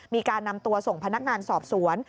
มีการนำตัวส่งพนักงานสอบสวน